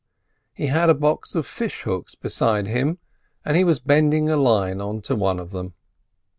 He had the box of fishhooks beside him, and he was bending a line on to one of them.